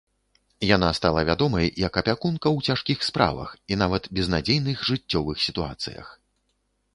Яна стала вядомай як апякунка ў цяжкіх справах і нават безнадзейных жыццёвых сітуацыях.